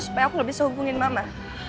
supaya aku lebih sehubungin mama